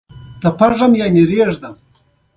دلته په ورون کې، اوس یې ځکه نه شم درښکاره کولای چې ګلګل مې.